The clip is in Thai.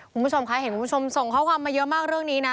คุณผู้ชมคะเห็นคุณผู้ชมส่งข้อความมาเยอะมากเรื่องนี้นะ